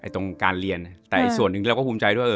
ตรงการเรียนแต่อีกส่วนหนึ่งเราก็ภูมิใจด้วย